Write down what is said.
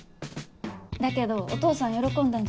だけどお父さん喜んだんじゃない？